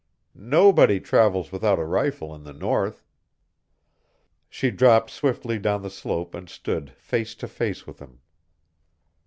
"Nobody travels without a rifle in the North." She dropped swiftly down the slope and stood face to face with him.